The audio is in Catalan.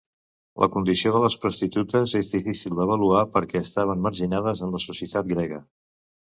La condició de les prostitutes és difícil d'avaluar perquè estaven marginades en la societat grega.